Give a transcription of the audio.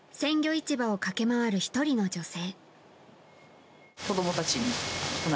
市場を駆け回る１人の女性。